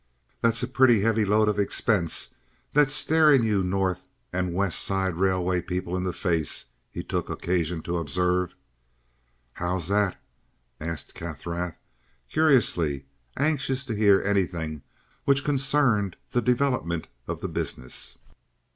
"That's a pretty heavy load of expense that's staring you North and West Side street railway people in the face," he took occasion to observe. "How's that?" asked Kaffrath, curiously, anxious to hear anything which concerned the development of the business.